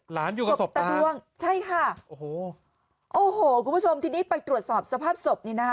หลานอยู่กับศพตะดวงโอ้โฮคุณผู้ชมทีนี้ไปตรวจสอบสภาพศพนี่นะฮะ